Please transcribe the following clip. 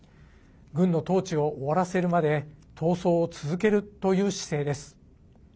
軍の統治を終わらせるまで闘争を続けるという姿勢です。